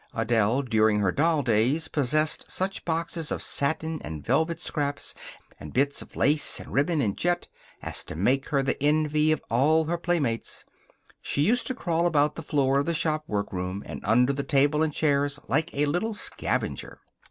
Adele, during her doll days, possessed such boxes of satin and velvet scraps, and bits of lace and ribbon and jet as to make her the envy of all her playmates. She used to crawl about the floor of the shop workroom and under the table and chairs like a little scavenger.